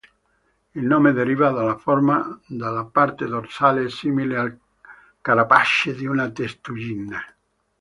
Il nome deriva dalla forma della parte dorsale simile al carapace di una testuggine.